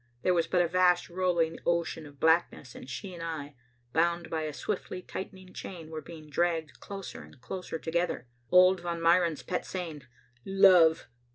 There was but a vast rolling ocean of blackness, and she and I, bound by a swiftly tightening chain, were being dragged closer and closer together. Old Von Meyren's pet saying, "Love!